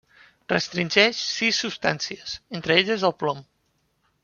Restringeix sis substàncies, entre elles el plom.